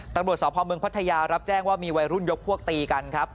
ตำรวจสพเมืองพัทยารับแจ้งว่ามีวัยรุ่นยกพวกตีกันครับ